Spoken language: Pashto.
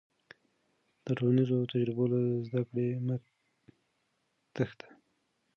د ټولنیزو تجربو له زده کړې مه تېښته.